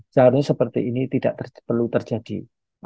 seharusnya seperti ini tidak terlalu jauh dari keadaan kita ini